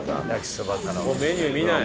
もうメニュー見ない。